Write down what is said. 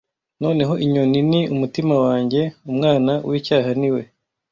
noneho inyoni ni umutima wanjye umwana wicyaha niwe